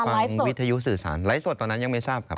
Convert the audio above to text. วิทยุสื่อสารไลฟ์สดตอนนั้นยังไม่ทราบครับ